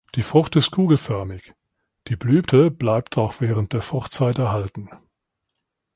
Die Frucht ist kugelförmig; die Blüte bleibt auch während der Fruchtzeit erhalten.